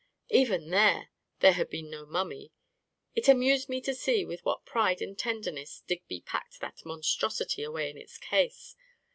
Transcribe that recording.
Even there, there had beerl no mummy ! It amused me to see with what pride and tenderness Digby packed that monstrosity away in its case